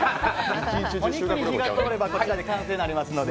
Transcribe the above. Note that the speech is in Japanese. お肉に火が通ればこれで完成になりますので。